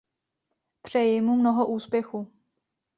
Přeji mu mnoho úspěchu.